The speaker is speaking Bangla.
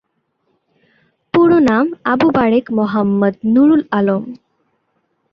পুরো নাম আবু বারেক মোহাম্মাদ নূরুল আলম।